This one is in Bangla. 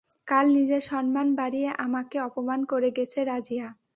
কাল নিজের সম্মান বাড়িয়ে আমাকে অপমান করে গেছে রাজিয়া।